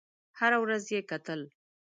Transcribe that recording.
هره ورځ یې کتل.